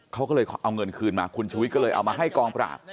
เขาก็เลยเอาเงินคืนมาคุณชุวิตก็เลยเอามาให้กองปราบ